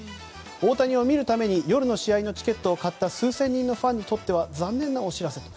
大谷を見るために夜の試合のチケットを買った数千人のファンにとっては残念なお知らせと。